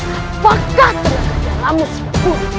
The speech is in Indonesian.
apakah kegiatanmu guru